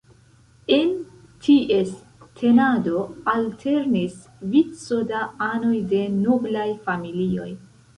En ties tenado alternis vico da anoj de noblaj familioj.